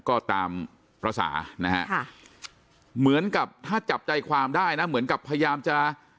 ก็ตามภาษานะฮะเหมือนกับถ้าจับใจความได้นะเหมือนกับพยายามจะ